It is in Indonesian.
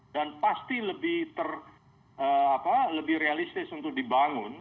dan pasti lebih realistis untuk dibangun